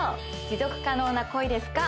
「持続可能な恋ですか？」